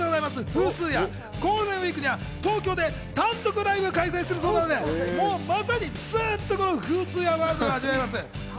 フースーヤ、ゴールデンウイークには東京で単独ライブも開催するそうなので、まさにフースーヤワールドでございます。